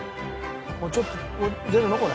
ちょっと出るの？